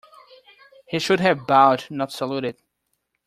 He should have bowed, not saluted